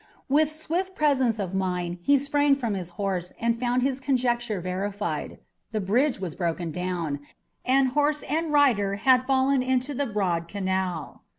With swift presence of mind he sprang from his horse and found his conjecture verified. The bridge had broken down, and horse and rider had fallen into the broad canal.